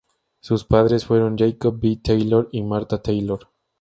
Sus padres fueron Jacob B. Taylor y Martha Taylor.